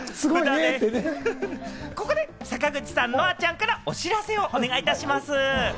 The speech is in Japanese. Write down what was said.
ここで坂口さん、乃愛ちゃんからお知らせ、お願いします。